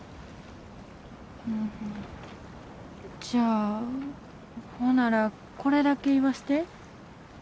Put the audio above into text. じゃあほならこれだけ言わして。